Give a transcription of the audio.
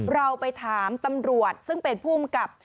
เราไปถามตำรวจซึ่งเป็นภูมิกับ